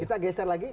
kita geser lagi